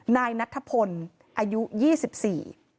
นายนัทธพลอายุ๒๔ปี